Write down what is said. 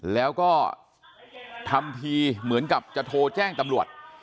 แล้วก็ทำทีเหมือนกับจะโทรแจ้งตำรวจ